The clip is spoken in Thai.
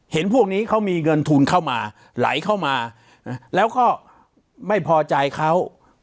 พวกนี้เขามีเงินทุนเข้ามาไหลเข้ามาแล้วก็ไม่พอใจเขา